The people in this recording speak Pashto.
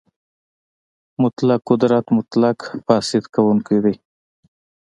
مطلق قدرت مطلق فاسد کوونکی دی.